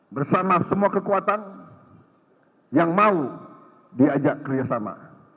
bersama semua kekuatan yang mau diajak kerjasama